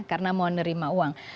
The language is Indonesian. karena mau nerima uang